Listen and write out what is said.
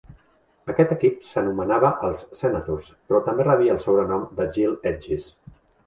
Aquest equip s'anomenava els Senators, però també rebia el sobrenom de Gilt Edges.